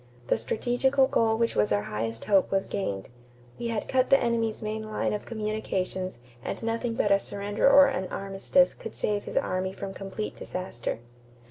The strategical goal which was our highest hope was gained. We had cut the enemy's main line of communications and nothing but a surrender or an armistice could save his army from complete disaster."